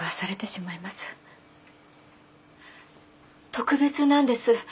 特別なんです